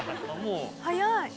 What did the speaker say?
早い。